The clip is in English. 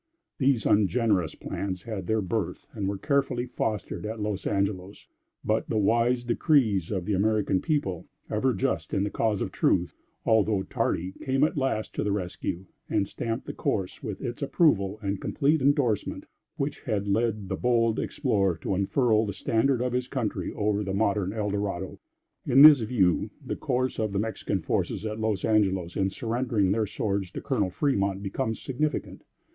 These ungenerous plans had their birth and were carefully fostered at Los Angelos; but, the wise decrees of the American people, ever just in the cause of truth, although tardy, came at last to the rescue, and stamped the course with its approval and complete indorsement which had led the bold Explorer to unfurl the standard of his country over the modern El Dorado. In this view the course of the Mexican forces at Los Angelos in surrendering their swords to Colonel Fremont becomes significant.